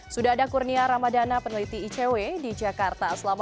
sudah ada kurnia ramadana peneliti icw di jakarta